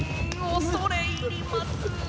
恐れ入ります。